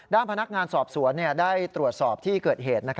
ด้านพนักงานสอบสวนได้ตรวจสอบที่เกิดเหตุ